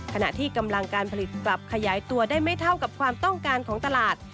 ขณะที่กำลังการผลิตกลับขยายตัวได้ไม่เท่ากับความต้องการของตลาด